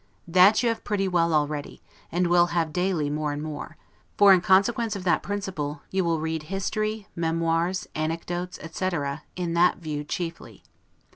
That you have pretty well already, and will have daily more and more; for, in consequence of that principle, you will read history, memoirs, anecdotes, etc., in that view chiefly.